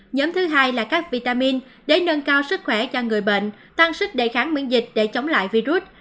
nhóm thứ hai là các vitamin để nâng cao sức khỏe cho người bệnh tăng sức đề kháng miễn dịch để chống lại virus